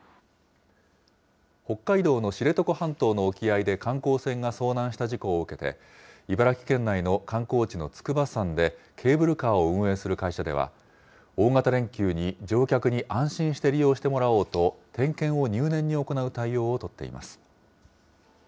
北海道の知床半島の沖合で、観光船が遭難した事故を受けて、茨城県内の観光地の筑波山でケーブルカーを運営する会社では、大型連休に乗客に安心して利用してもらおうと、点検を入念に行う対応を取っています。